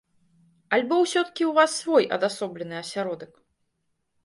Альбо ўсё-такі ў вас свой адасоблены асяродак?